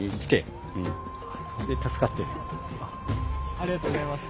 ありがとうございます。